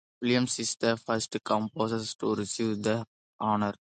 Williams is the first composer to receive the honor.